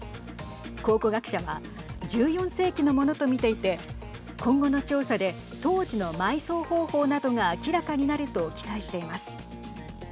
考古学者は１４世紀のものと見ていて今後の調査で当時の埋葬方法などが明らかになると期待しています。